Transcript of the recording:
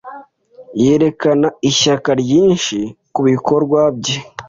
Yerekana ishyaka ryinshi kubikorwa bye.